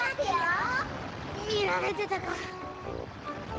みられてたかぁ。